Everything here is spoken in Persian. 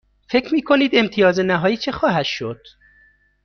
فکر می کنید امتیاز نهایی چه خواهد شد؟